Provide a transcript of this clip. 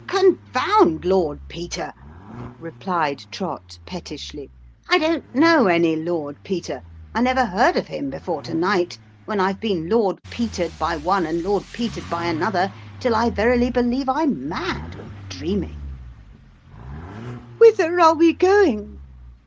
"Confound Lord Peter," replied Trott pettishly. "I don't know any Lord Peter. I never heard of him before to night, when I've been Lord Peter'd by one and Lord Peter'd by another, till I verily believe I'm mad, or dreaming "" Whither are we going